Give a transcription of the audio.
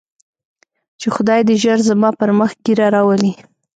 چې خداى دې ژر زما پر مخ ږيره راولي.